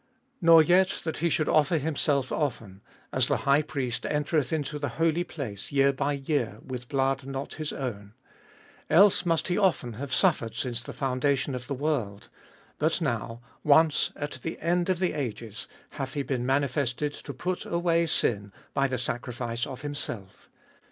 Nor yet that he should offer himself often; as the high priest entereth into the Holy Place year by year with blood not his own ; 26. Else must he often have suffered since the foundation of the world : but now once at the end of the ages hath he been manifested to put away sin by the sacrifice of himself.